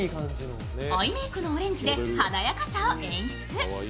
アイメークのオレンジで華やかさを演出。